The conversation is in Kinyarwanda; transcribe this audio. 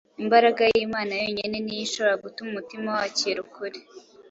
Imbaraga y’Imana yonyine ni yo ishobora gutuma umutima wakira ukuri.